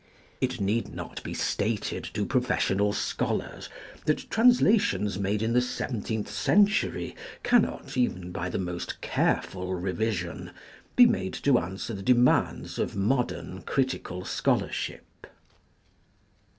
It need not be stated to professional scholars, that translations made in the seventeenth century cannot, even by the most careful revision, be made to answer the demands of modern critical scholarship.